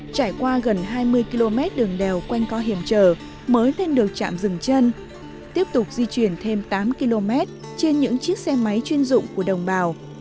trải qua gần hai mươi km đường đèo quanh co hiểm trở mới lên được chạm rừng chân tiếp tục di chuyển thêm tám km trên những chiếc xe máy chuyên dụng của đồng bào